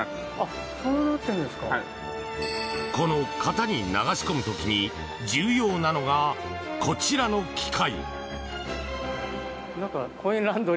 この型に流し込む時に重要なのが、こちらの機械。